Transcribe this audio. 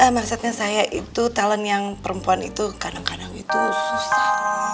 maksudnya saya itu talent yang perempuan itu kadang kadang itu susah